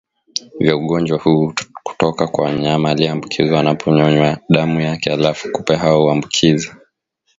vya ugonjwa huu kutoka kwa mnyama aliyeambukizwa anaponyonywa damu yake Halafu kupe hao huambukiza